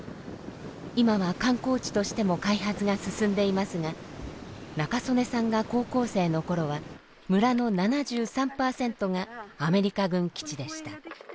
今は観光地としても開発が進んでいますが仲宗根さんが高校生の頃は村の７３％がアメリカ軍基地でした。